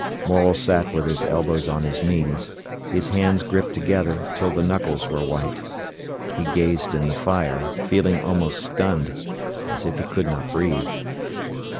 Morel sat with his elbows on his knees, his hands gripped together till the knuckles were white. He gazed in the fire, feeling almost stunned, as if he could not breathe.